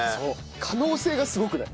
可能性がすごくない？